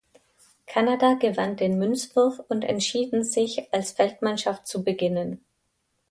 Kanada gewann den Münzwurf und entschieden sich als Feldmannschaft zu beginnen.